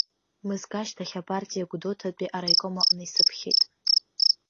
Мызкы ашьҭахь апартиа гәдоуҭатәи араиком аҟны исыԥхьеит.